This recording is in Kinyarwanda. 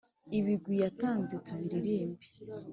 ibigwi yatanze tubiririmbe